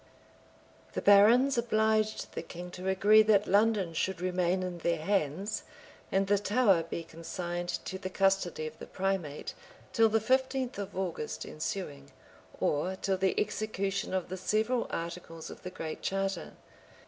The barons obliged the king to agree that London should remain in their hands, and the Tower be consigned to the custody of the primate, till the 15th of August ensuing, or till the execution of the several articles of the Great Charter.